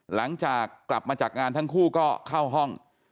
หลังจากกลับมาจากงานทั้งคู่ก็เข้าห้อง